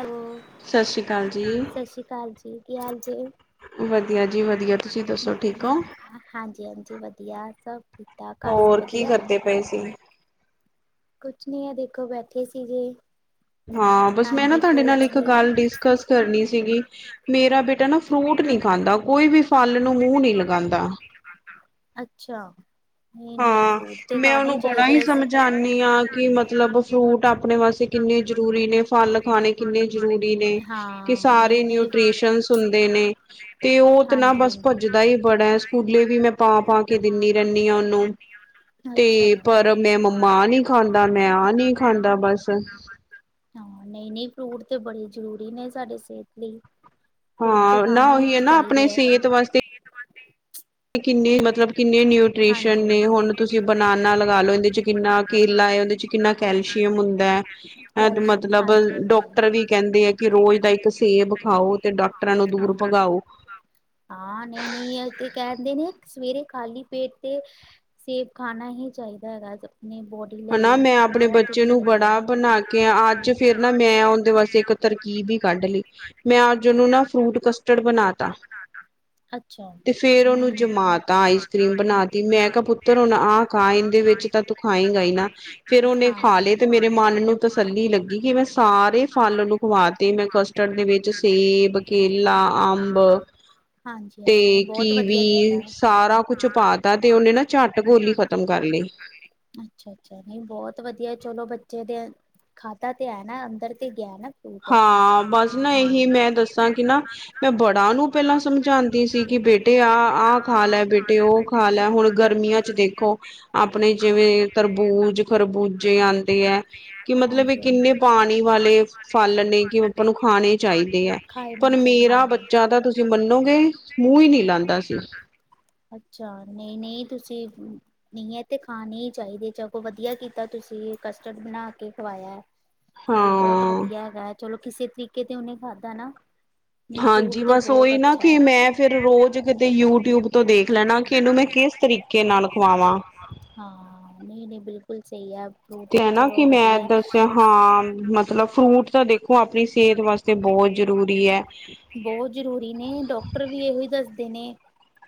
Hello ਸ਼੍ਰੀ ਅਕਾਲ ਜੀ ਸਤਿ ਸ਼੍ਰੀ ਅਕਾਲ ਜੀ ਕੀ ਹਾਲ ਜ ਵਧੀਆ ਜੀ ਵਧੀਆ ਤੁਸੀਂ ਦੱਸੋ ਠੀਕ ਹੋ? ਹਾਂਜੀ -ਹਾਂਜੀ ਵਧੀਆ ਸਭ ਠੀਕ ਘਰ ਸਭ ਹੋਰ ਕੀ ਵਧੀਆ ਕਰਦੇ ਪਏ ਸੀ? ਕੁਛ ਨੀ ਹੈ ਦੇਖੋ ਬੈਠੇ ਸੀਗੇੇ ਹਾਂ। ਬਸ ਮੈਂ ਨਾ ਤੁਹਾਡੇ ਨਾਲ ਇੱਕ ਦੀ ਗੱਲ ਡਿਸਕਸ ਕਰਨੀ ਸੀਗੀ ਮੇਰਾ ਬੇਟਾ ਨਾ ਫਰੂਟ ਨਹੀਂ ਖਾਂਦਾ ਕੋਈ ਵੀ ਫਲ ਨੂੰ ਮੂੰਹ ਨਹੀਂ ਲਗਾਉਂਦਾ ਅੱਛਾ ਨਈ-ਨਈ ਹਾਂ। ਫਰੂਟ ਤੇ ਮੈਂ ਖਾਣੇ ਉਹਨੂੰ ਬੜਾ ਹੀ ਚਾਈਦੇ ਆ, ਸਮਝ ਜਾਂਦੀ ਹਾਂ ਕਿ ਮਤਲਬ ਫਰੂਟ ਆਪਣੇ ਵਾਸਤੇ ਕਿੰਨੇ ਜ਼ਰੂਰੀ ਨੇ ਫਲ ਖਾਣੇ ਕਿੰਨੇ ਜ਼ਰੂਰੀ ਨੇ ਕਿ ਹਾਂ ਸਾਰੇ ਨਈ-ਨਈ ਨਿਊਟੀਸ਼ਨ ਹੁੰਦੇ ਨੇ ਤੇ ਉਹ ਤੇ ਨਾ ਬਸ ਹਾਂਜੀ-ਹਾਂਜੀ, ਭੱਜਦਾ ਹੀ ਬੜਾ ਹੈ ਸਕੂਲੇ ਵੀ ਮੈਂ ਪਾ ਪਾ ਕੇ ਦਿੰਦੀ ਰਹਿੰਦੀ ਹਾਂ ਉਹਨੂੰ ਤੇ ਅੱਛਾ ਪਰ ਮੈਂ ਮੰਮਾ ਆ ਨਹੀਂ ਖਾਂਦਾ ਮੈਂ ਆ ਨੀ ਖਾਂਦਾ ਬਸ ਹਾਂ। ਨਹੀਂ -ਨਹੀਂ ਫਰੂਟ ਤੇ ਬੜੇ ਜ਼ਰੂਰੀ ਨੇ ਸਾਡੇ ਸਿਹਤ ਲਈ ਫਰੂਟ ਤੇ ਹਾਂ। ਨਾ ਖਾਣੇ ਉਹੀ ਈ ਹੈ ਨਾ ਚਾਈਦੇ ਆਪਣੇ ਐ, ਸਿਹਤ ਵਾਸਤੇ [inaudible] ਕਿੰਨੇ ਮਤਲਬ ਕਿੰਨੇ ਹਾਂਜੀ। ਨਿਊਟ੍ਰੀਸ਼ਨ ਨੇ ਹੁਣ ਤੁਸੀਂ ਬਨਾਨਾ ਲਗਾ ਲੋ ਇਹਦੇ ਚ ਕਿੰਨਾ ਕੇਲਾ ਉਹਦੇ ਚ ਕਿੰਨਾ ਕੈਲਸ਼ੀਅਮ ਹੁੰਦਾ ਹੈ ਕੈਲਸ਼ੀਅਮ ਮਤਲਬ ਹਾਂਜੀ-ਹਾਂਜੀ, ਡਾਕਟਰ ਵੀ ਕਹਿੰਦੇ ਆ ਕਿ ਰੋਜ਼ ਦਾ ਇੱਕ ਸੇਬ ਖਾਓ ਤੇ ਡਾਕਟਰਾਂ ਨੂੰ ਦੂਰ ਹਾਂ ਭਗਾਓ [inaudible] ਹਾਂ। ਨਹੀਂ -ਨਹੀਂ ਤੇ ਕਹਿੰਦੇ ਨੇ ਸਵੇਰੇ ਖਾਲੀ ਪੇਟ ਤੇ ਸੇਬ ਖਾਣਾ ਹੀ ਚਾਹੀਦਾ ਹੈਗਾ ਆਪਣੇ ਬੋਡੀ ਹਨਾ ਲਈ ਮੈਂ ਆਪਣੇ ਬਹੁਤ ਬੱਚੇ ਹੀ ਵ ਨੂੰ ਬੜਾ ਬਣਾ ਕੇ ਅੱਜ ਅੱਜ ਫੇਰ ਨਾ ਮੈਂ ਉਹਦੇ ਵਾਸਤੇ ਇੱਕ ਤਰਕੀਬ ਵੀ ਕੱਢ ਲਈ ਮੈਂ ਅੱਜ ਉਹਨੂੰ ਨਾ ਫਰੂਟ ਕਸ ਟੜ ਬਣਾ ਤਾ ਅੱਛਾ ਤੇ ਫੇਰ ਉਹਨੂੰ ਨਹੀਂ ਜਮਾ ਤਾ ਆਈਸ ਕਰ੍ਰੀਮ ਬਣਾ ਤੀ ਮੈਂ ਕਿਹਾ ਪੁੱਤਰ ਹੁਨ ਆਹ ਖਾਂ ਇਹਦੇ ਵਿੱਚ ਤਾਂ ਤੂੰ ਖਾਏਗਾ ਹੀ ਨਾ ਫ਼ਿਰ ਉਹਨੇ ਹਾਂ ਖਾ ਲੇ ਤੇ ਮੇਰੇ ਮਨ ਨੂੰ ਤਸੱਲੀ ਲੱਗੀ ਕਿ ਮੈਂ ਸਾਰੇ ਫਲ ਉਹਨੂੰ ਖਵਾਤੇ ਮੈਂ ਕਸਟਰਡ ਦੇ ਵਿੱਚ ਸੇਬ ਕੇਲਾ ਅੰਬ ਹਾਂਜੀ ਹਾਂਜੀ ਨਹੀਂ ਤੇ ਬਹੁਤ ਕੀਵੀ ਵਧੀਆ ਕੀਤਾ ਸਾਰਾ ਕੁਛ ਪਾ ਤਾ ਤੇ ਉਹਨੇ ਨਾ ਝੱਟ ਗੋਲੀ ਖ਼ਤਮ ਕਰ ਲਈ [inaudible] ਅੱਛਾ- ਅੱਛਾ ਨਹੀਂ ਬਹੁਤ ਵਧੀਆ ਚਲੋ ਬੱਚੇ ਦੇ ਖਾਧਾ ਤੇ ਹੈ ਨਾ ਅੰਦਰ ਤੇ ਗਿਆ ਨਾ ਹਾਂ ਬਸ ਨਾ ਇਹੀ ਮੈਂ ਦੱਸਾਂ ਕਿ ਨਾ ਮੈਂ ਬੜਾ ਨੂੰ ਪਹਿਲਾਂ ਸਮਝਾਉਂਦੀ ਸੀ ਕਿ ਬੇਟੇ ਆਹ ਆਹ ਖਾ ਲੈ ਬੇਟੇ ਉਹ ਖਾ ਲੈ ਹੁਣ ਗਰਮੀਆਂ ਚ ਦੇਖੋ ਆਪਣੇ ਜਿਵੇਂ ਤਰਬੂਜ ਖਰਬੂਜੇ ਆਉਂਦੇ ਹੈ ਕਿ ਮਤਲਬ ਇਹ ਹਾਂਜੀ ਹਾਂਜੀ ਕਿੰਨੇ ਪਾਣੀ ਵਾਲੇ ਫਲ ਨੇ ਕਿ ਆਪਾਂ ਨੂੰ ਖਾਣੇ ਚਾਹੀਦੇ ਹੈ ਖਾਏ ਨਹੀਂ ਪਰ ਚਾਹੀਦਾ ਮੇਰਾ ਹਾਂ ਬੱਚਾ ਤਾਂ ਤੁਸੀਂ ਮੰਨੋਗੇ ਮੂੰਹ ਹੀ ਨਹੀਂ ਲਾਉਂਦਾ ਸੀ ਅੱਛਾ ਨਹੀਂ ਨਹੀਂ ਤੁਸੀਂ ਨਹੀਂ ਇਹ ਤੇ ਖਾਣੇ ਹੀ ਚਾਹੀਦੇ ਚ ਕੋੋਂ ਵਧੀਆ ਕੀਤਾ ਤੁਸੀਂ ਕਸਟਰਡ ਬਣਾ ਕੇ ਖਵਾਇਆ। ਬਹੁਤ ਹਾਂ ਵਧੀਆ ਹੈਗਾ ਚਲੋ ਕਿਸੇ ਤਰੀਕੇ ਤੇ ਉਹਨੇ ਖਾਧਾ ਨਾ ਨਹੀਂ ਫਰੂਟ ਹਾਂਜੀ ਤੇ ਬਸ ਬਹੁਤ ਉਹੀ ਨਾ ਅੱਛਾ ਕਿ ਹੈ। ਮੈਂ ਫਿਰ ਰੋਜ਼ ਕਿਤੇ ਯੂਟਿਊਬ ਤੋਂ ਦੇਖ ਲੈਣਾ ਕਿ ਇਹਨੂੰ ਮੈਂ ਕਿਸ ਤਰੀਕ ਕੇ ਨਾਲ ਖਵਾਵਾਂ। ਹਾਂ, ਨਈਂ ਨਈਂ, ਬਿਲਕੁਲ ਸਹੀ ਐ। ਤੇ ਐ ਨਾਂ ਕਿ ਮੈਂ ਦੱਸਿਆ ਹਾਂ ਅ ਮਤਲਬ ਫਰੂਟ ਤਾਂ ਦੇਖੋ ਆਪਣੀ ਸਿਹਤ ਵਾਸਤੇ ਬਹੁਤ ਜ਼ਰੂਰੀ ਏ। ਬਹੁਤ ਜ਼ਰੂਰੀ ਨੇਂ, ਡਾਕਟਰ ਵੀ ਇਹੋ ਹੀ ਦੱਸਦੇ ਨੇਂ।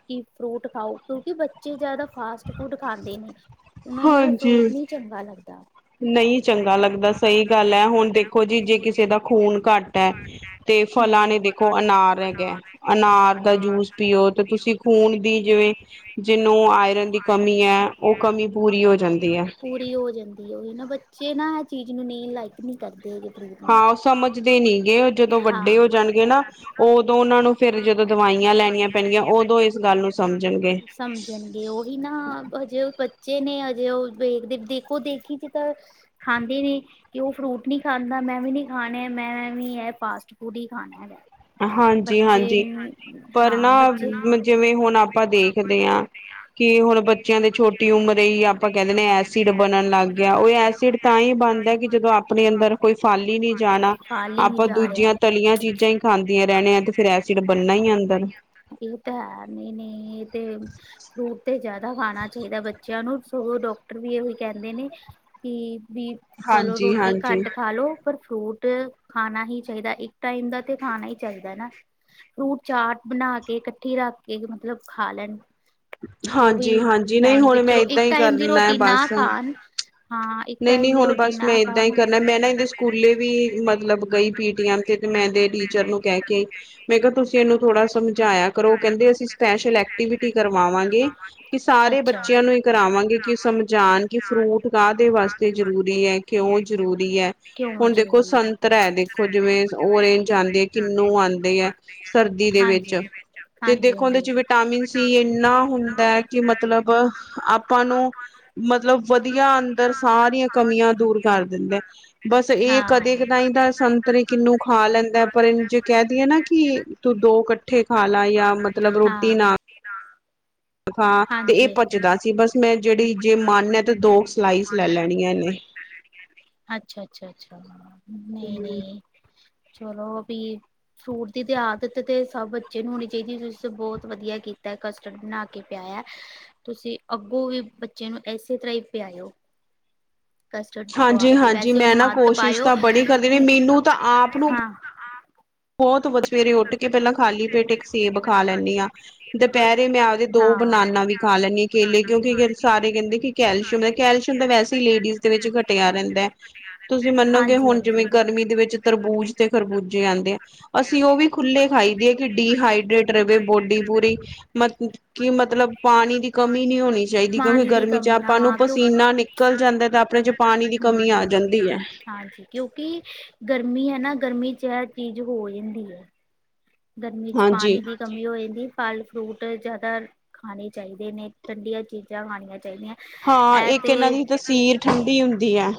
ਕਿ ਫਰੂਟ ਖਾਓ ਕਿਉਂਕਿ ਬੱਚੇ ਜਿਆਦਾ ਫਾਸਟ ਫੂਡ ਖਾਂਦੇ ਨੇਂ। ਓਨਾਂਨੂੰ ਇਹ ਹਾਂਜੀ। ਫਰੂਟ ਨੀਂ ਚੰਗਾ ਲੱਗਦਾ। ਨਹੀਂ ਚੰਗਾ ਲੱਗਦਾ ਸਹੀ ਗੱਲ ਹੈ। ਹੁਣ ਦੇਖੋ ਜੀ ਜੇ ਕਿਸੇ ਦਾ ਖੂਨ ਘੱਟ ਹੈ ਤੇ ਹਮ ਫਲਾਂ ਨੇ ਦੇਖੋ ਅਨਾਰ ਹੈਗਾ ਅਨਾਰ ਦਾ ਜੂਸ ਪੀਓ ਤੇ ਤੁਸੀਂ ਖੂਨ ਦੀ ਜਿਵੇਂ ਜਿਹਨੂੰ ਆਇਰਨ ਦੀ ਕਮੀ ਐ ਉਹ ਕਮੀ ਪੂਰੀ ਹੋ ਜਾਂਦੀ ਏ। ਪੂਰੀ ਹੋ ਜਾਂਦੀ ਉਹ ਨਾਂ ਬੱਚੇ ਨਾ ਇਹ ਚੀਜ਼ ਨੂੰ ਨੀਂ ਲਾਈਕ ਨੀਂ ਕਰਦੇ ਹੈਗੇ। ਫਰੂਟ ਨੂੰ ਹਾਂ ਉਹ ਸਮਝਦੇ ਨੀਂ ਗੇ ਜਦੋਂ ਹਾਂ ਵੱਡੇ ਹੋ ਜਾਣਗੇ ਨਾਂ ਉਦੋਂ ਉਹਨਾਂ ਨੂੰ ਫਿਰ ਜਦੋਂ ਦਵਾਈਆਂ ਲੈਣੀਆਂ ਪੈਣਗੀਆਂ, ਉਦੋਂ ਇਸ ਗੱਲ ਨੂੰ ਸਮਝਣਗੇ। ਸਮਝਣਗੇ ਉਹੀ ਨਾਂ ਹਜੇ ਉਹ ਬੱਚੇ ਨੇ ਹਜੇ ਉਹ ਵੇਖਦੇ ਦੇਖੋ ਦੇਖੀ ਚ ਤਾਂ ਖਾਂਦੇ ਨੀਂ ਕਿ ਉਹ ਫਰੂਟ ਨਹੀਂ ਖਾਂਦਾ, ਮੈਂ ਵੀ ਨੀਂ ਖਾਣਾ ਮੈਂ ਵੀ ਇਹ ਫਾਸਟ ਫੂਡ ਹੀ ਖਾਣਾ ਵੇ। ਹਾਂਜੀ ਹਾਂਜੀ, ਪਰ ਹਾਂ ਬੱਚੇ ਨਾਂ ਜਿਵੇਂ ਹੁਣ ਆਪਾਂ ਦੇਖਦੇ ਹਾਂ ਕਿ ਹੁਣ ਬੱਚਿਆਂ ਦੇ ਛੋਟੀ ਉਮਰ ਹੀ ਆਪਾਂ ਕਹਿੰਦੇ ਨੇਂ ਐਸਿਡ ਬਣਨ ਲੱਗ ਗਿਆ ਉਹ ਐ ਏਸਿਡ ਤਾਂ ਹੀ ਬਣਦਾ ਕਿ ਜਦੋਂ ਆਪ ਆਪਣੇ ਅੰਦਰ ਕੋਈ ਫਲ ਈ ਨਈਂ ਜਾਣਾ, ਫਲ ਹੀ ਨਹੀਂ ਆਪਾਂ ਜਾ ਦੂਜੀਆਂ ਰਿਹਾ ਤਲੀਆਂ ਚੀਜ਼ਾਂ ਈ ਖਾਂਦੀਆਂ ਰਹਿਣ ਆ ਤੇ ਫੇਰ ਐਸਿਡ ਬਣਨਾ ਹੀ ਏ ਅੰਦਰ। ਇਹ ਤਾਂ ਹੈ ਨਈਂ ਨਈਂ, ਇਹ ਤੇ ਫਰੂਟ ਤੇ ਜਿਆਦਾ ਖਾਣਾ ਚਾਹੀਦਾ ਬਚ ਬੱਚਿਆਂ ਨੂੰ ਸਗੋਂ ਡਾਕਟਰ ਵੀ ਇਹੋ ਕਹਿੰਦੇ ਨੇਂ ਕਿ ਵੀ ਚਲੋ ਹਾਂਜੀ ਰੋਟੀ ਹਾਂਜੀ ਘੱਟ ਖਾ ਲੋ, ਪਰ ਫਰੂਟ ਖਾਣਾ ਹੀ ਚਾਹੀਦਾ ਇੱਕ ਟਾਈਮ ਦਾ ਤੇ ਖਾਣਾ ਹੀ ਚਾਹੀਦਾ ਨਾਂ। ਫਰੂਟ ਚਾਟ ਬਣਾ ਕੇ ਇਕੱਠੀ ਰੱਖ ਕੇ, ਮਤਲਬ ਖਾ ਲੈਣ। ਉਹ ਵੀ ਹਾਂਜੀ ਹਾਂਜੀ ਨਹੀਂ ਬੈਣੀ ਹੁਣ ਫਿਟ ਮੈਂ ਚਲੋ, ਏਦਾਂ ਇੱਕ ਹੀ ਟਾਈਮ ਦੀ ਕਰਨਾ ਰੋਟੀ ਨਾਂ ਬਸ ਖਾਣ ਹਾਂ ਇੱਕ ਨਹੀਂ-ਨਹੀਂ ਟਾਈਮ ਦੀ ਹੁਣ ਰੋਟੀ ਬਸ ਨਾਂ ਮੈਂ ਏਦਾਂ ਹੀ ਕਰਨਾ, ਮੈਂ ਨਾ ਇਹਦੇ ਸਕੂਲੇ ਵੀ ਮਤਲਬ ਗਈ ਪੀਟੀਐਮ ਤੇ, ਤੇ ਮੈਂ ਇਹਦੇ ਟੀਚਰ ਨੂੰ ਕਹਿ ਕੇ ਆਈ ਮੈਂ ਕਿਹਾ ਤੁਸੀਂ ਇਹਨੂੰ ਥੋੜਾ ਸਮਝਾਇਆ ਕਰੋ, ਕਹਿੰਦੇ ਅਸੀਂ ਸਪੈਸ਼ਲ ਐਕਟੀਵਿਟੀ ਕਰਵਾਵਾਂਗੇ। ਕਿ ਸਾਰੇ ਅੱਛਾ ਬੱਚਿਆਂ ਨੂੰ ਇਹ ਕਰਾਵਾਂਗੇ ਕਿ ਉਹ ਸਮਝਾਣ ਕਿ ਫਰੂਟ ਕਾਹਦੇ ਵਾਸਤੇ ਜ਼ਰੂਰੀ ਏ। ਦੇ ਉਹ ਜ਼ਰੂਰੀ ਏ, ਕਿਉਂ ਹੁਣ ਦੇਖੋ ਜ਼ਰੂਰੀ ਸੰਤਰਾ ਐ ਦੇਖੋ, ਜਿਵੇਂ ਔਰੇਂਜ ਆਂਦੇ ਕਿੰਨੂੰ ਆਂਦੇ ਐ, ਸਰਦੀ ਦੇ ਵਿੱਚ। ਹਾਂਜੀ ਤੇ ਹਾਂਜੀ ਦੇਖੋ ਉਹਦੇ ਹਾਂਜੀ ਚ ਵਿਟਾਮਿਨ ਸੀ ਇੰਨਾ ਹੁੰਦਾ ਏ, ਕਿ ਮਤਲਬ [unintelligible] ਆਪਾਂ ਨੂੰ ਮਤਲਬ ਵਧੀਆ ਅੰਦਰ ਸਾਰੀਆਂ ਕਮੀਆਂ ਦੂਰ ਕਰ ਦਿੰਦੇ, ਬਸ ਇਹ ਕਦੇ ਹਾਂ ਕਦਾ ਹੀ ਤਾਂ ਸੰਤਰੇ ਕਿੰਨੂੰ ਖਾ ਲੈਂਦਾ ਪਰ ਇਹਨੂੰ ਜੇ ਕਹਿ ਦੇਈਏ ਨਾਂ ਕਿ ਕਿ ਤੂੰ ਦੋ ਇਕੱਠੇ ਖਾ ਲਾ ਯਾਂ ਮਤਲਬ ਰੋਟੀ ਹਾਂ ਨਾਂ [unintelligible] ਖਾ ਤੇ ਇਹ ਹਾਂਜੀ ਪਜਦਾ ਸੀ, ਬਸ ਮੈਂ ਜਿਹੜੀ ਜੇ ਮਨ ਹੈ ਤੇ ਦੋ ਸਲਾਈਸ ਲੈ ਲੈਣੀਆਂ ਇਹਨੇਂ। ਲੈ ਲੈਣੀਆਂ ਇਹਨੇਂ। ਅੱਛਾ ਅੱਛਾ, ਅੱਛਾ, ਨਈਂ ਨਈਂ। ਚਲੋ ਵੀ ਫਰੂਟ ਦੀ ਤੇ ਆਦਤ ਤੇ ਸਭ ਬੱਚੇ ਨੂੰ ਹੋਣੀ ਚਾਹੀਦੀ ਏ, ਤੁਸੀ ਤੇ ਬਹੁਤ ਵਧੀਆ ਕੀਤਾ ਕਸਟਰਡ ਬਣਾ ਕੇ ਕੇ ਪਿਆਆ, ਤੁਸੀਂ ਅੱਗੋਂ ਵੀ ਬੱਚੇ ਨੂੰ ਇਸੇ ਤਰ੍ਹਾਂ ਹੀ ਪਿਆਇਓ। ਕਸਟਰਡ ਪਵਾ ਹਾਂਜੀ ਕੇ, ਹਾਂਜੀ ਵੈਸੇ ਮੈਂ ਉਹਨੂੰ ਨਾ ਆਦਤ ਕੋਸ਼ਿਸ਼ ਪਾਇਓ [unintelligible] ਤਾਂ ਬੜੀ ਕਰਦੀ ਰ ਕਿ ਮੈਨੂੰ ਤਾਂ ਆਪ ਨੂੰ ਹਾਂ ਬਹੁਤ ਵਧੀ ਸਵੇਰੇ ਉੱਠ ਕੇ ਪਹਿਲਾਂ ਖਾਲੀ ਪੇਟ ਇੱਕ ਸੇਬ ਖਾ ਲੈਂਣੀ ਆਂ, ਦੁਪਹਿਰੇ ਮੈਂ ਆਪਦੇ ਦੋ ਹਾਂ ਬਨਾਨਾਂ ਵੀ ਖਾ ਲੈਂਣੀ ਕੇਲੇ ਕਿਉਂਕਿ ਸਾਰੇ ਕਹਿੰਦੇ ਕਿ ਕੈਲਸ਼ੀਅਮ ਏ, ਕੈਲਸ਼ੀਅਮ ਤਾਂ ਵੈਸੇ ਹੀ ਲੇਡੀਜ਼ ਦੇ ਵਿੱਚ ਘਟਿਆ ਰਹਿੰਦਾ ਐ। ਤੁਸੀ ਮੰਨੋਗੇ ਹਾਂਜੀ ਹੁਨ ਹਾਂਜੀ ਜਿਵੇਂ ਗਰਮੀ ਦੇ ਵਿੱਚ ਤਰਬੂਜ ਤੇ ਖਰਬੂਜ਼ੇ ਆਂਦੇ ਅਸੀ ਓ ਵੀ ਖੁੱਲੇ ਖਾਈ ਦੇ ਐ ਕਿ ਡੀਹਾਈਡਰੇਟ ਰਵੇ ਬੋਡੀ ਪੂਰੀ, ਮਤ ਕਿ ਮਤਲਬ ਪਾਨੀ ਦੀ ਕਮੀ ਨੀਂ ਹੋਨੀ ਚਾਈਦੀ ਕਿਓਂਕਿ ਪਾਣੀ ਦੀ ਗਰਮੀ ਚ ਕਮੀ ਨਾ ਆਪਾਂ ਨੂੰ ਆ ਕਿਉਂ ਪਸੀਨਾ ਨਿਕ ਨਿਕਲ ਜਾਂਦਾ ਤਾ ਆਪਨੇ ਚ ਪਾਨੀ ਦੀ ਕਮੀ ਆ ਜਾਂਦੀ ਐ। ਕਿਓਕਿ ਗਰਮੀ ਹੈਨਾ, ਗਰਮੀ ਚ ਐ ਚੀਜ਼ ਹੋ ਜਾਂਦੀ ਐ। ਗਰਮੀ ਚ ਹਾਂਜੀ ਪਾਨੀ ਦੀ ਕਮੀ ਹੋ ਜਾਂਦੀ, ਫਲ-ਫਰੂਟ ਜਾਦਾ ਖਾਨੇ ਚਾਈਦੇ ਨੇ, ਠੰਡੀਆਂ ਚੀਜ਼ਾਂ ਖਾਨੀਆਂ ਚਾਈਦੀਐਂ। ਹਾਂ, ਏੱਕ ਐਨਾਂ ਦੀ ਤਸੀਰ ਠੰਡੀ ਹੁੰਦੀ ਐ।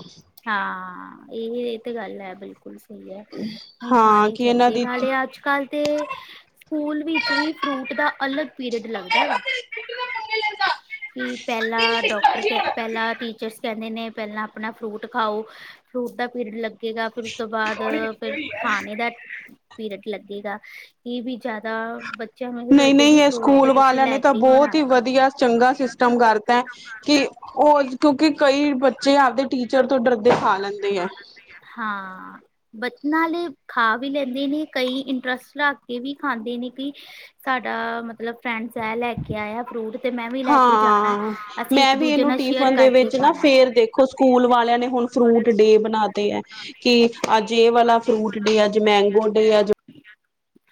ਹਾਂ, ਏਹੇ ਏ ਤੇ ਗੱਲ ਐ, ਬਿਲਕੁਲ। [unintelligible] ਨਈ ਹਾਂ ਖਾਨੇ ਕਿ ਇਹਨਾਂ ਚਾਈਦੇ, ਦੀ ਨਾਲੇ ਅੱਜ ਕੱਲ ਤੇ ਸਕੂਲ ਵਿੱਚ ਵੀ ਫਰੂਟ ਦਾ ਅਲਗ ਪੀਰੀਅਡ ਲੱਗਦਾ ਵੇ। [inaudible] ਕੀ ਪੈਲਾਂ ਡਾਕਟਰ ਕੈ, ਪੈਲਾਂ ਟੀਚਰਸ ਕੈਂਦੇ ਨੇ, ਪੈਲਾਂ ਆਪਨਾ ਫਰੂਟ ਖਾਓ। ਫਰੂਟ ਦਾ ਪੀਰੀਅਡ ਲੱਗੇਗਾ, ਫੇਰ ਉਸ ਤੋ ਬਾਦ, ਫੇਰ ਖਾਨੇ ਦਾ ਪੀਰੀਅਡ ਲੱਗੇਗਾ। ਏਵੀ ਜਾਦਾ ਬ ਨਈ, ਨਈ ਏ ਸਕੂਲ ਵਾਲਿਆ ਨੇ ਤਾ ਹੀ ਬੋਤ ਆਉਣਾ ਈ ਵਦੀਆ, ਚੰਗਾ ਸਿਸਟਮ ਕਾਰਤੈ। ਕਿ ਓ ਕਿਉਕਿ ਕਈ ਬੱਚੇ ਆਵਦੇ ਟੀਚਰ ਤੋ ਡਰਦੇ ਖਾ ਲੈਂਦੇ ਐ। ਹਾਂ, ਬਚ ਨਾਲੇ ਖਾ ਵੀ ਲੈਂਦੇ ਨੇ, ਕਈ ਇੰਟਰਸਟ [unintelligible] ਕੇ ਵੀ ਖਾਂਦੇ ਨੇ ਕਿ ਸਾਡਾ ਮਤਲਬ ਫਰੈਂਡਸ ਐ ਲੈਕੇ ਆਯਾ ਫਰੂਟ ਤੇ ਮੈਂ ਵੀ ਲੈ ਕੇ ਜਾਣਾ ਹਾਂ, ਅਸੀਂ ਮੈਂ ਇੱਕ ਵੀ ਦੂਜੇ ਏਨੂੰ ਨਾਲ ਸ਼ੇਅਰ ਟਿਫਨ ਦੇ ਕਰਕੇ ਵਿੱਚ ਖਾ ਨਾ, ਫੇਰ ਦੇਖ [unintelligible] ਸਕੂਲ ਵਾਲਯਾ ਨੇ ਹੁਨ ਫਰੂਟ ਡੇ ਬਨਾ ਦਿ ਕਿ ਅੱਜ ਏ ਵਾਲਾ ਫਰੂਟ ਡੇ ਐ, ਅੱਜ ਮੈਂਗੋ ਡੇ ਐ, ਅੱਜ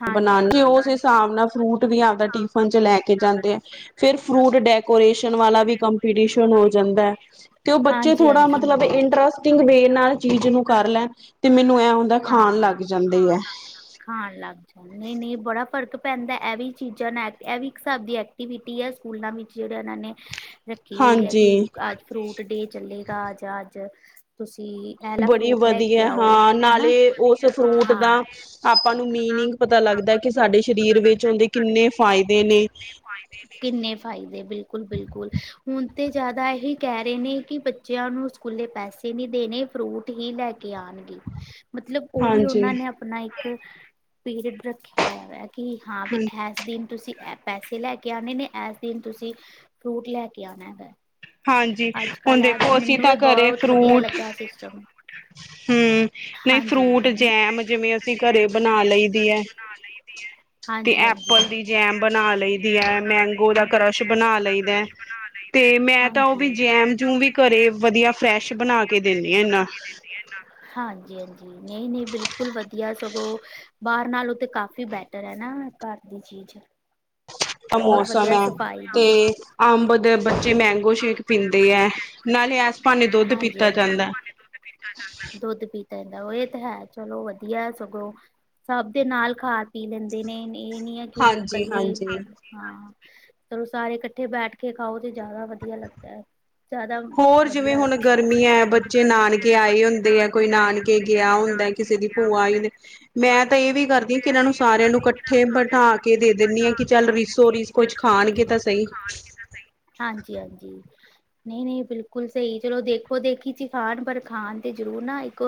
ਹਾਂਜੀ ਬਨਾਨੇ ਹਾਂਜੀ ਓਸ ਹਿਸਾਬ ਨਾਲ ਫਰੂਟ ਵੀ ਆਵਦਾ ਟਿਫਨ ਚ ਲੈ ਕੇ ਜਾਂਦੇ ਐ। ਫੇਰ, ਫਰੂਟ ਡੈਕੋਰੇਸ਼ਨ ਵਾਲਾ ਵੀ ਕੰਪੀਟੀਸ਼ਨ ਹੋ ਜਾਂਦੈ। ਤੇ ਓ ਬੱਚੇ ਹਾਂਜੀ ਥੋੜਾ ਹਾਂਜੀ ਮਤਲਬ ਇੰਟਰਸਟ [unintelligible] ਨਾਲ ਚੀਜ਼ ਨੂੰ ਕਰ ਲੈਨ, ਤੇ ਮੈਨੂੰ ਐ ਹੁੰਦੈ ਖਾਨ ਲੱਗ ਜਾਂਦੇ ਐ। ਖਾਨ ਲੱਗ ਜਾਨ, ਨਈ ਨਈ ਬੜਾ ਫਰਕ ਪੈਂਦੈ ਐਵੀ ਚੀਜ਼ਾ ਨਾਲ, ਐ ਵੀ ਇੱਕ ਹਿਸਾਬ ਦੀ ਐਕਟੀਵਿਟੀ ਐ, ਸਕੂਲਾਂ ਵਿੱਚ ਜੇੜੇ ਐਨਾ ਨੇ ਰੱਖੀ ਹੋਈ ਐ ਹਾਂਜੀ ਕਿ ਅੱਜ ਫਰੂਟ ਡੇ ਚੱਲੇਗਾ ਜਾ ਅੱਜ ਤੁਸੀ ਬੜੀ ਵਦੀਐ, ਹਾਂ ਨਾਲੇ ਓਸ ਫਰੂਟ ਦਾ ਹਾਂ ਆਪਾਂ ਨੂੰ ਮੀਨਿਂਗ ਪਤਾ ਲਾਗਦੈ ਕਿ ਸਾੱਡੇ ਸਰੀਰ ਵਿੱਚ ਓਂਦੇ ਕਿੰਨੇ ਫਾਇਦੇ ਨੇ। ਕਿੰਨੇ ਫਾਯਦੇ, ਬਿਲਕੁਲ, ਬਿਲਕੁਲ ਹੁਨ ਤੇ ਜਾਦਾ ਏਹੇ ਕੈ ਰੇ ਨੇ ਕਿ ਬ ਬੱਚਯਾ ਨੂੰ ਸਕੂਲੇ ਪੈਸੇ ਨੀ ਦੇਨੇ ਫਰੂਟ ਹੀ ਲੈ ਕੇ ਆਨਗੇ, ਮਤਲਬ ਓ ਵੀ ਹਾਂਜੀ ਓਨਾਂ ਨੇ ਆਪਨਾ ਇੱਕ ਪੀਰੀਅਡ ਰੱਖਯਾ ਹੋਯਾ ਵੈ ਕਿ ਹਾਂ ਵੀ ਹਾਂਜੀ ਇਸ ਦਿਨ ਤੁਸੀ ਐ ਪੈਸੇ ਲੈ ਕੇ ਆਨੇ ਨੇ, ਐਸ ਦਿਨ ਤੁਸੀ ਫਰੂਟ ਲੈ ਕੇ ਆਨਾ ਹੈਗੈ। ਹਾਂਜੀ ਅੱਜ-ਕੱਲ ਹੁਣ ਐ ਦੇਖੋ ਅਸੀਂ ਮੈਨੂੰ ਵੀ ਤਾਂ ਘਰੇ ਬੋਤ ਵਦੀਆ ਫਰੂਟ ਲੱਗਾ ਸਿਸਟਮ। ਹੂੰ, ਨਈ ਹਾਂਜੀ ਫਰੂਟ ਜੈਮ ਜਿਵੇਂ ਅਸੀ ਘਰੇ ਬਨਾ ਲਈ ਦੀ ਐ। ਤੇ ਹਾਂਜੀ-ਹਾਂਜੀ ਐਪਲ ਦੀ ਜੈਮ ਬਨਾ ਲਈ ਦੀ ਐ, ਮੈਂਗੋ ਦਾ ਕਰਸ਼ ਬਨਾ ਲਈ ਦੈ। ਤੇ ਮੈਂ ਤਾ ਓਵੀ ਜੈਮ, ਜੂਮ ਵੀ ਘਰੇ ਵਦੀਆ ਫਰੈਸ਼ ਬਨਾ ਕੇ ਦੇਂਨੀ ਆ ਏਨਾ [unintelligible] ਹਾਂਜੀ, ਹਾਂਜੀ, ਨਈ, ਨਈ ਬਿਲਕੁਲ ਵਦੀਆ ਸਗੋ ਬਾਰ ਨਾਲੋ ਤੇ ਕਾਫ਼ੀ ਬੈਟ ਬੈਟਰ ਐਨਾ ਘਰ ਦੀ ਚੀਜ਼ ਦਾ ਬਹੁਤ ਮੌਸਮ ਵਧੀਆ ਐ, ਸਫ਼ਾਈ ਤੇ ਦੀ ਅੰਬ ਦੇ ਬੱਚੇ ਮੈਂਗੋ ਸ਼ੇਕ ਪੀਂਦੇ ਐ, ਨਾਲੇ ਐਸ ਪਾਨੇ ਦੋੱਧ ਪੀਤਾ ਜਾਂਦੈ। ਦੋੱਧ ਪੀਤਾ ਜਾਂਦੈ, ਓ ਏ ਤੇ ਹੈ, ਚਲੋ ਵਦੀਐ ਸਗੋਂ ਸਭ ਦੇ ਨਾਲ ਖਾ, ਪੀ ਲੈਂਦੇ ਨੇ, ਏ ਨੀ ਐ ਕਿ ਕੱਲੇ ਹਾਂਜੀ-ਹਾਂਜੀ। ਹਾਂ, ਚਲੋ ਸਾਰੇ ਇਕੱਠੇ ਬੈਠ ਕੇ ਖਾਓ, ਤੇ ਜਾਦਾ ਵਦੀਆ ਲੱਗਦੈ। ਹੋਰ ਜਿਵੇਂ ਹੁਨ ਸਵਾਦ ਗਰਮੀਐਂ, ਬੱਚੇ ਨਾਨਕੇ ਆਏ ਹੁੰਦੇ ਐ, ਕੋਈ ਨਾਨਕੇ ਗਿਯਾ ਹੁੰਦੈ। ਕਿਸੇ ਦੀ ਪੂਆ ਆਈ ਹੂੰਦੀ, ਮੈਂ ਤਾ ਏਵੀ ਕਰਦੀ ਕਿ ਇਨਾਂ ਨੂੰ ਸਾਰੇਆ ਨੂੰ ਕੱਠੇ ਬਠਾ ਕੇ ਦੇ ਦੇਨੀ ਆਂ ਕਿ ਚੱਲ ਰੀਸੋ-ਰੀਸ ਕੁਛ ਖਾਣਗੇ ਤੇ ਸਹੀ। ਹਾਂਜੀ ਹਾਂਜੀ। ਨਹੀਂ ਨਹੀਂ, ਬਿਲਕੁਲ ਸਹੀ ਚਲੋ ਦੇਖੋ-ਦੇਖੀ ਚ ਖਾਣ ਪਰ ਖਾਣ ਤੇ ਜ਼ਰੂਰ ਨਾ ਇੱਕ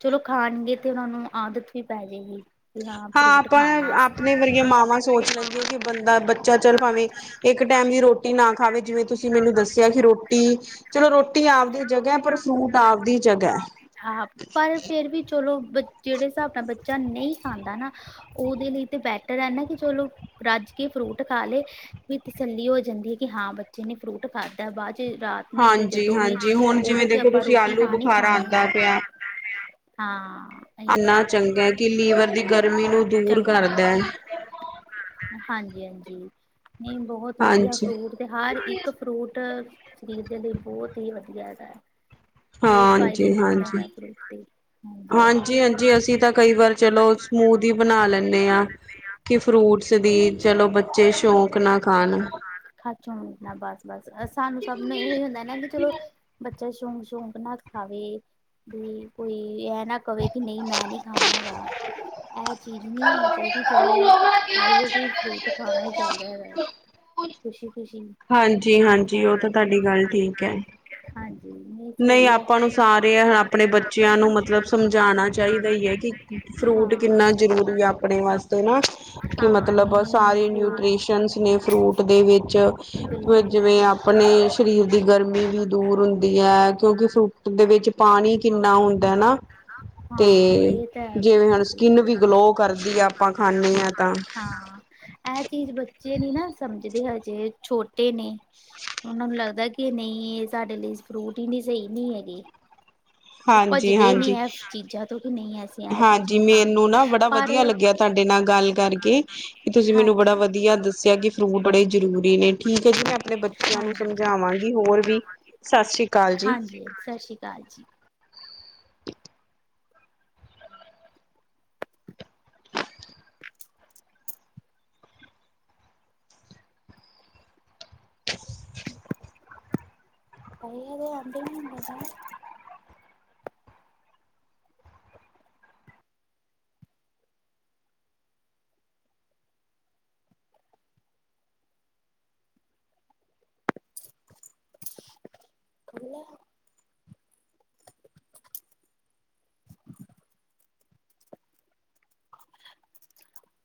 ਚਲੋ ਖਾਣਗੇ ਤੇ ਔਨਾਂ ਨੂੰ ਆਦਤ ਵੀ ਪੈ ਜੇਗੀ ਕਿ ਹਾਂ ਫਰੂਟ ਆਪਾਂ ਖਾਣੈ ਅਸੀਂ। ਆਪਣੇ ਵਰਗੀਆਂ ਮਾਵਾਂ ਸੋਚ ਲੈਂਦੀਆਂ ਕਿ ਬੰਦਾ ਬੱਚਾ ਚੱਲ ਭਾਵੇਂ ਇੱਕ ਟਾਈਮ ਦੀ ਰੋਟੀ ਨਾ ਖਾਵੇ ਜਿਵੇਂ ਤੁਸੀਂ ਮੈਨੂੰ ਦੱਸਿਆ ਕਿ ਰੋਟੀ। ਚਲੋ ਰੋਟੀ ਆਪਦੀ ਜਗਾ ਪਰ ਫਰੂਟ ਆਪਦੀ ਜਗਾ। ਆ ਪਰ ਫੇਰ। ਫੇਰ ਵੀ ਚਲੋ ਬੱਚ। ਜਿਹੜੇ ਹਿਸਾਬ ਨਾਲ ਬੱਚਾ ਨਹੀਂ ਖਾਂਦਾ ਨਾ ਓਹਦੇ ਲਈ ਤਾਂ ਬੈਟਰ ਐ ਨਾ ਕਿ ਚਲੋ। ਰੱਜ ਕੇ ਫਰੂਟ ਖਾ ਲੇ ਵੀ ਤਸੱਲੀ ਹੋ ਜਾਂਦੀ ਏ ਕਿ ਹਾਂ ਬੱਚੇ ਨੇ ਫਰੂਟ। ਖਾਧਾ ਬਾਦ ਚ ਰਾਤ ਨੂੰ ਜਾਂ ਹਾਂਜੀ ਜਦੋਂ ਵੀ ਹਾਂਜੀ ਹੁਣ ਜਿਵੇਂ ਓਦੋਂ ਤੇ ਦੇਖੋ ਆਪਾਂ ਤੁਸੀਂ ਰੋਟੀ ਆਲੂ ਖਾਣੀ ਬੁਖਾਰਾ ਖਾਣੀ ਏ। ਆਉਂਦਾ ਪਿਆ ਹਾਂ। ਅਹੀ ਤੇ ਇੰਨਾ ਆਪ, ਚੰਗਾ ਹੈ ਕਿ ਲੀਵਰ ਦੀ ਗਰਮੀ ਨੂੰ ਦੂਰ ਚੰਗੈ। ਕਰਦਾ ਹੈ ਹਾਂਜੀ ਹਾਂਜੀ, ਨਹੀਂ ਬਹੁਤ ਵਧੀਆ ਹਾਂਜੀ ਫਰੂਟ। ਤੇ ਹਰ ਇੱਕ ਫਰੂਟ ਸਰੀਰ ਦੇ ਲਈ ਬਹੁਤ ਹੀ ਵਧੀਆ ਦਾ ਆ। ਬਹੁਤ ਹਾਂਜੀ ਫਾਇਦੇਮੰਦ ਹਾਂਜੀ ਹੈ ਫਰੂਟ ਤੇ, ਹਾਂਜੀ ਹਾਂਜੀ। ਮੂੰਹ ਦੀ ਬਣਾ ਲੈਂਣੇ ਆਂ। ਕਿ ਫਰੂਟਸ ਦੀ ਚਲੋ ਬੱਚੇ ਸ਼ੌਕ ਨਾ ਖਾਣ। ਖਰਚ ਹੁਣ ਇਨਾ ਬੱਸ-ਬੱਸ ਸਾਨੂੰ ਸਭ ਨੂੰ ਏਹੋ ਹੀ ਹੁੰਦਾ ਨਾ ਬਈ ਚਲੋ। ਬੱਚਾ ਸ਼ੌਂਕ-ਸ਼ੌਂਕ ਨਾ ਖਾਵੇ ਬੀ ਕੋਈ ਐ। ਨਾ ਕਵੇ ਕਿ ਨਹੀਂ ਮੈਂ ਨੀ ਖਾਣਾ ਹੈਗਾ ਆ ਚੀਜ਼ ਨੀ ਹੋਣੀ ਚਾਹੀਦੀ, ਚਲੋ। ਐਹੀ ਹੈ ਕਿ ਫਰੂਟ ਖਾਣਾ ਹੀ ਚਾਹੀਦਾ ਹੈ, ਖੁਸ਼ੀ-ਖੁਸ਼ੀ। ਹਾਂਜੀ ਹਾਂਜੀ, ਉਹ ਤਾਂ ਤੁਹਾਡੀ ਗੱਲ ਠੀਕ ਹੈ। ਹਾਂਜੀ ਨਹੀਂ ਸਹੀ ਹੈ ਆਪਾਂ ਨੂੰ ਸਾਰੇ ਹ ਅਪਣੇ ਬੱਚਿਆਂ ਨੂੰ ਮਤਲਬ ਸਮਝਾਣਾ ਚਾਹੀਦਾ ਈ ਏ ਕਿ। ਫਰੂਟ ਹਾਂ ਕਿੰਨਾ ਜ਼ਰੂਰੀ ਆ ਅਪਣੇ ਵਾਸਤੇ ਨਾ। ਕਿ ਹਾਂ ਨਹੀਂ ਮਤਲਬ ਨਹੀਂ ਸਾਰੇ ਫਰੂਟ ਨਿਊਟ੍ਰਰੀਸ਼ਨਸ ਨੇ ਫਰੂਟ ਦੇ ਵਿੱਚ‌। ਬਿਲਕੁਲ ਜਿਵੇਂ ਬਿਲਕੁਲ ਅਪਣੀ ਸਰੀਰ ਦੀ ਗਰਮੀ ਵੀ ਦੂਰ ਹੁੰਦੀ ਐ, ਕਿਉਂਕਿ ਫਰੂਟ ਦੇ ਵਿੱਚ ਪਾਣੀ ਕਿੰਨਾ ਹੁੰਦਾ ਨਾ। ਤੇ ਹਾਂ ਇਹ ਤਾਂ ਹੈ ਜਿਵੇਂ ਹੁਣ ਬਿਲਕੁਲ ਸਕਿੰਨ ਬਿਲਕੁਲ ਵੀ ਗਲੋ ਕਰਦੀ ਆ ਅਪਾਂ ਖਾਂਨੇ ਆਂ ਤਾਂ। ਹਾਂ ਇਹ ਚੀਜ਼ ਬੱਚੇ ਨੀ ਨਾ ਸਮਝਦੇ, ਹਜੇ ਛੋਟੇ ਨੇ। ਓਨਾਂ ਨੂੰ ਲੱਗਦੈ ਕਿ ਨਹੀਂ ਏਹ ਸਾਡੇ ਲਈ ਫਰੂਟ ਹੀਨੀ ਸਹੀ ਨੀ ਹੈਗੇ। ਓਹ ਹਾਂਜੀ ਭੱਜਦੇ ਨੇ ਹਾਂਜੀ ਐਸ ਚੀਜ਼ਾਂ ਤੋਂ ਕਿ ਨਈ ਐ ਹਾਂਜੀ, ਮੇਨੂੰ ਨਾ ਬੜਾ ਵਧੀਆ ਲੱਗਿਆ ਤੁਹਾਡੇ ਨਾਲ ਗੱਲ ਕਰਕੇ, ਕਿ ਤੁਸੀਂ ਮੈਨੂੰ ਹਾਂਜੀ ਬੜਾ ਵਧੀਆ ਦੱਸ ਦੱਸਿਆ ਕਿ ਫਰੂਟ ਬੜੇ ਜ਼ਰੂਰੀ ਨੇ ਠੀਕ ਹੈ ਜੀ ਮੈਂ ਅਪਣੇ ਬੱਚਿਆਂ ਨੂੰ ਹਾਂਜੀ ਸਮਝਾਵਾਂਗੀ, ਹੋਰ ਵੀ ਸਤ ਸ੍ਰੀ ਅਕਾਲ ਜੀ। ਜੀ, ਸਤਿ ਸ਼੍ਰੀ ਅਕਾਲ ਜੀ। ਅਹੀ ਅਦੇ ਆਦੇ ਨੀ ਹੁੰਦੇ ਸਾਂ। ਖੁਲਾ [inaudible]